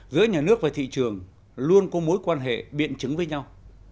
giữa nhà nước và thị trường luôn có mối quan hệ biện chứng với nhau